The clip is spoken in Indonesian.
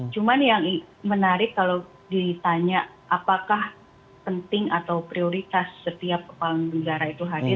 cuma yang menarik kalau ditanya apakah penting atau prioritas setiap kepala negara itu hadir